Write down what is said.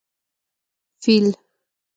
🐘 فېل